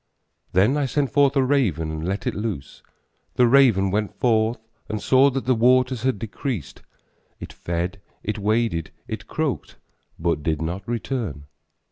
Then I sent forth a raven and let it loose, The raven went forth and saw that the waters had decreased; It fed, it waded, it croaked, but did not return.